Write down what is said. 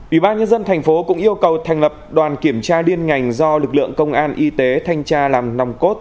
ủy ban nhân dân thành phố cũng yêu cầu thành lập đoàn kiểm tra liên ngành do lực lượng công an y tế thanh tra làm nòng cốt